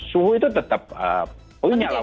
suhu itu tetap punya lah